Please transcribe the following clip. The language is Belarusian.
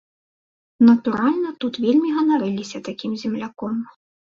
Натуральна, тут вельмі ганарыліся такім земляком.